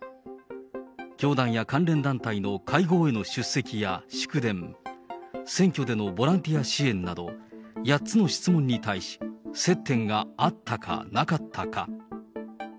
教団や関連団体の会合への出席や祝電、選挙でのボランティア支援など、８つの質問に対し、接点があったかなかったか。